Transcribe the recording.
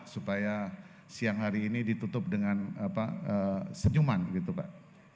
supaya siang hari ini ditutup dengan senyuman gitu pak